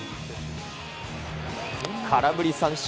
空振り三振。